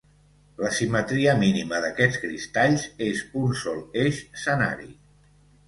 La simetria mínima d'aquests cristalls és un sol eix senari.